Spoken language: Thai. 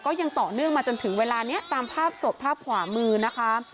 ก็ยังต่อเนื่องมาจนถึงเวลานี้ตามภาพสดภาพขวามือนะคะ